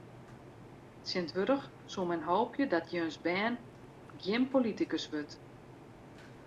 Tsjintwurdich soe men hoopje dat jins bern gjin politikus wurdt.